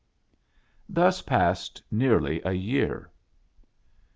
Thus passed nearly a year.